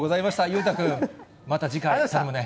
裕太君、また次回、頼むね。